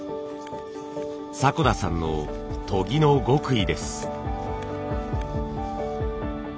迫田さんの研ぎの極意です。